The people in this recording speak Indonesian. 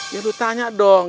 ya lu tanya dong